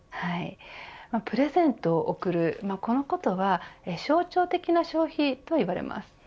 プレゼントを贈る、このことは象徴的な消費といわれます。